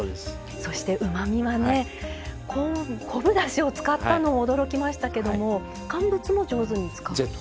そして、うまみは昆布だしを使ったのが驚きでしたけど乾物も上手に使う。